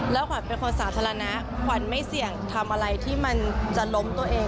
ขวัญเป็นคนสาธารณะขวัญไม่เสี่ยงทำอะไรที่มันจะล้มตัวเอง